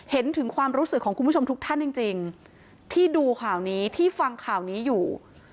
เห็นถึงความรู้สึกของคุณผู้ชมทุกท่านจริงที่ดูข่าวนี้ที่ฟังข่าวนี้อยู่